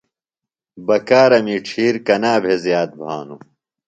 بکارمی ڇِھیر کنا بھےۡ زِیات بھانوۡ؟